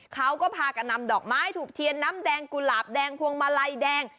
เขาก็พากันนำดอกไม้ถูกเทียนน้ำแดงกุหลาบแดงพวงมาลัยแดง